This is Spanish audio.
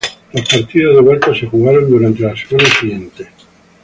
Los partidos de vuelta se jugaron durante la semana siguiente.